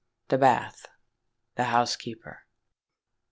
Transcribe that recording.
THE BATH.—THE HOUSEKEEPER.